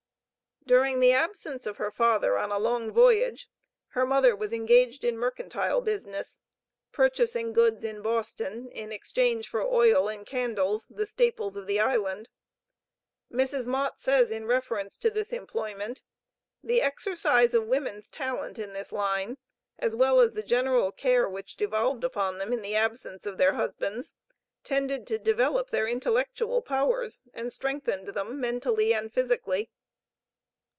During the absence of her father on a long voyage, her mother was engaged in mercantile business, purchasing goods in Boston, in exchange for oil and candles, the staples of the island. Mrs. Mott says in reference to this employment: "The exercise of women's talent in this line, as well as the general care which devolved upon them in the absence of their husbands, tended to develop their intellectual powers, and strengthened them mentally and physically."